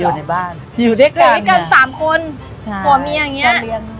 อยู่ในบ้านอยู่ด้วยกัน๓คนหัวเมียอย่างนี้